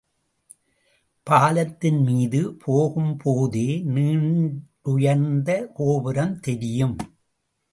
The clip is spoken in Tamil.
பாலத்தின் மீது போகும் போதே நீண்டுயர்ந்த கோபுரம் தெரியும்.